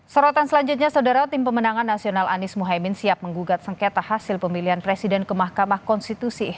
sorotan selanjutnya saudara tim pemenangan nasional anies mohaimin siap menggugat sengketa hasil pemilihan presiden ke mahkamah konstitusi